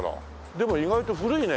でも意外と古いね。